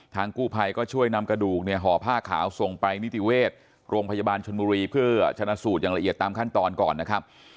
กู้ภัยก็ช่วยนำกระดูกเนี่ยห่อผ้าขาวส่งไปนิติเวชโรงพยาบาลชนบุรีเพื่อชนะสูตรอย่างละเอียดตามขั้นตอนก่อนนะครับ